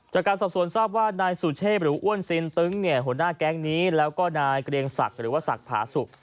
จากการสอบสวนทราบว่านายสุเชฟอ้วนยินตึ้งหัวหน้าแก๊งนี้และก็นายกะเรียงสักหรือว่าสักผาสุข